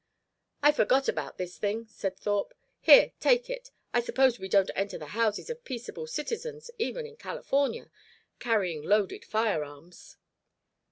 "I forgot about this thing," said Thorpe. "Here take it. I suppose we don't enter the houses of peaceable citizens, even in California, carrying loaded firearms?"